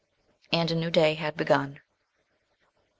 And a new day had begun.